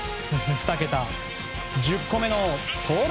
２桁１０個目の盗塁。